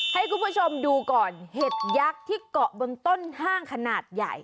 ให้คุณผู้ชมดูก่อนเห็ดยักษ์ที่เกาะบนต้นห้างขนาดใหญ่